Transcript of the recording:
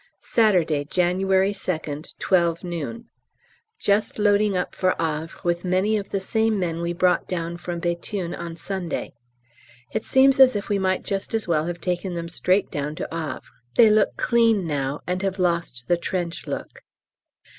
Saturday, January 2nd, 12 noon. Just loading up for Havre with many of the same men we brought down from Béthune on Sunday; it seems as if we might just as well have taken them straight down to Havre. They look clean now, and have lost the trench look.